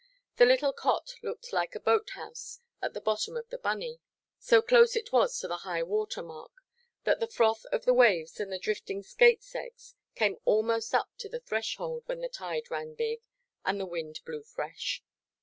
The little cot looked like a boat–house at the bottom of the bunney; so close it was to the high–water mark, that the froth of the waves and the drifting skates' eggs came almost up to the threshold when the tide ran big, and the wind blew fresh.